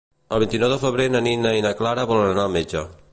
El vint-i-nou de febrer na Nina i na Clara volen anar al metge.